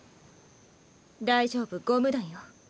大丈夫ゴム弾よ。